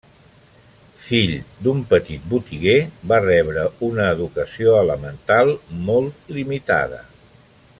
Fill d'un petit botiguer, va rebre una educació elemental molt limitada.